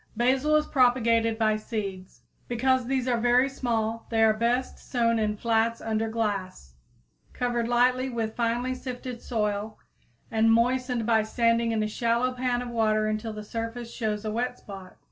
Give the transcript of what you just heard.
_ Basil is propagated by seeds. Because these are very small, they are best sown in flats under glass, covered lightly with finely sifted soil and moistened by standing in a shallow pan of water until the surface shows a wet spot.